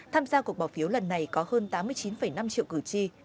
tham gia cuộc bỏ phiếu lần này có hơn tám mươi chín năm triệu cử tri